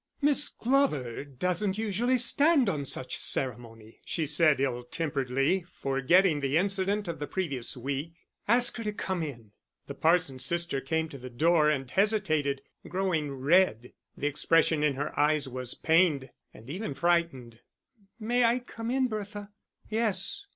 "Miss Glover doesn't usually stand on such ceremony," she said ill temperedly, forgetting the incident of the previous week. "Ask her to come in." The parson's sister came to the door and hesitated, growing red; the expression in her eyes was pained, and even frightened. "May I come in, Bertha?" "Yes."